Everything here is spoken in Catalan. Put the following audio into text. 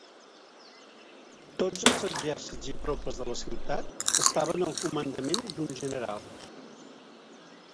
Tots els exèrcits i tropes de la ciutat, estaven al comandament d'un general.